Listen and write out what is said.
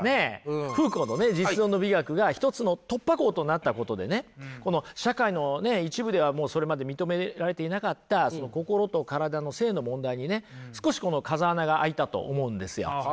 フーコーのね実存の美学が一つの突破口となったことでねこの社会の一部ではもうそれまで認められていなかった心と体の性の問題にね少しこの風穴が開いたと思うんですよ。